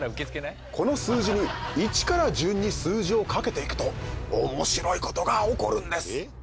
この数字に１から順に数字をかけていくと面白いことが起こるんです！